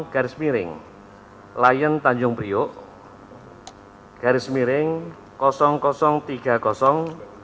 garis miring tiga puluh teridentifikasi sebagai antemortem nomor satu ratus enam puluh satu penumpang atas nama mur diman